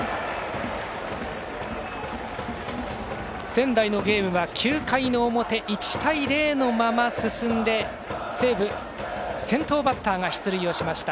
仙台のゲームは９回の表１対０のまま進んで西武、先頭バッターが出塁をしました。